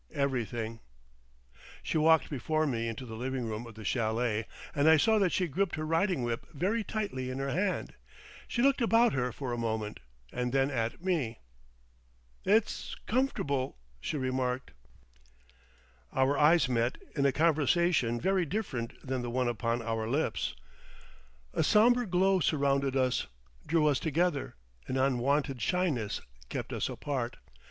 "Everything." She walked before me into the living room of the chalet, and I saw that she gripped her riding whip very tightly in her hand. She looked about her for a moment,—and then at me. "It's comfortable," she remarked. Our eyes met in a conversation very different from the one upon our lips. A sombre glow surrounded us, drew us together; an unwonted shyness kept us apart.